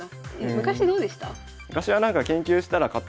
昔どうでした？